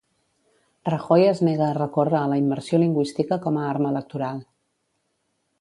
Rajoy es nega a recórrer a la immersió lingüística com a arma electoral.